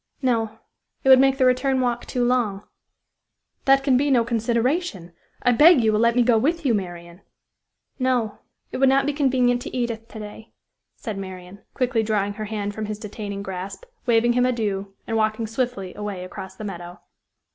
"No; it would make the return walk too long." "That can be no consideration, I beg you will let me go with you, Marian." "No; it would not be convenient to Edith to day," said Marian, quickly drawing her hand from his detaining grasp, waving him adieu, and walking swiftly away across the meadow.